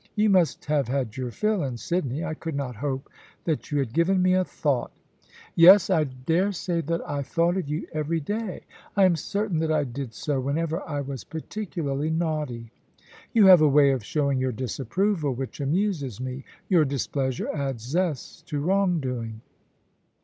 You must have had your fill in Sydney. I could not hope that you had given me a thought' ' Yes ; I dare say that I thought of you every day. I am certain that I did so whenever I was particularly naughty. You have a way of showing your disapproval which amuses me. Your displeasure adds zest to wrong doing.'